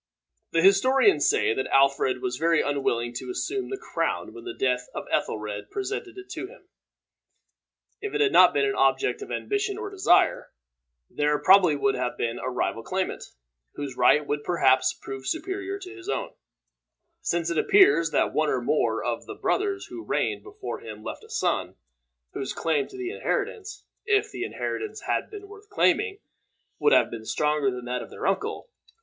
The historians say that Alfred was very unwilling to assume the crown when the death of Ethelred presented it to him. If it had been an object of ambition or desire, there would probably have been a rival claimant, whose right would perhaps have proved superior to his own, since it appears that one or more of the brothers who reigned before him left a son, whose claim to the inheritance, if the inheritance had been worth claiming, would have been stronger than that of their uncle.